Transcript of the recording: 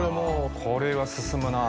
これは進むなぁ。